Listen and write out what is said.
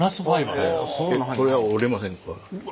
これは折れませんから。